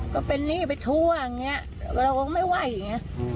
ก็เป็นหนี้ไปทั่วอย่างนี้เราก็ไม่ไหวอย่างนี้